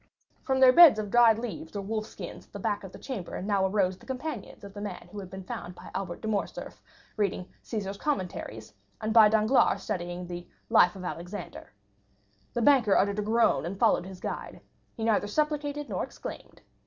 From their beds of dried leaves or wolf skins at the back of the chamber now arose the companions of the man who had been found by Albert de Morcerf reading Cæsar's Commentaries, and by Danglars studying the Life of Alexander. The banker uttered a groan and followed his guide; he neither supplicated nor exclaimed.